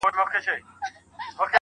هسي بیا نه راځو، اوس لا خُمار باسه~